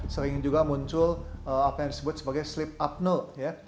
sering juga muncul apa yang disebut sebagai sleep apno ya